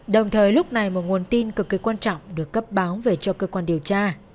đồng thời lúc này một nguồn tin cực kỳ quan trọng được cấp báo về cho cơ quan điều tra